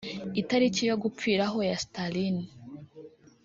itariki yo gupfiraho ya Staline